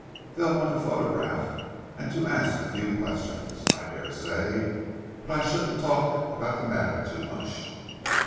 They'll want a photograph, and to ask a few questions, I dare say, but I shouldn't talk about the matter too much."